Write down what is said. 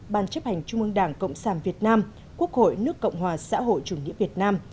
ban chấp hành trung ương đảng cộng sản việt nam quốc hội nước cộng hòa xã hội chủ nghĩa việt nam